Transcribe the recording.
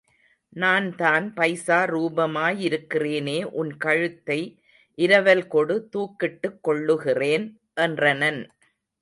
நான் தான் பைசாச ரூபமாயிருக்கிறேனே உன் கழுத்தை இரவல் கொடு தூக்கிட்டுக் கொள்ளுகிறேன்! என்றனன்.